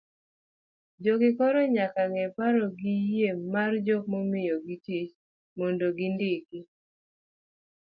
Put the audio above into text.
jogi koro nyaka ng'e paro gi yie mar jok momiyogi tich mondo gindik